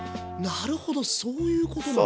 なるほどそういうことなんだ。